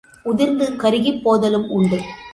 உதிர்ந்து கருகிப் போதலும் உண்டு.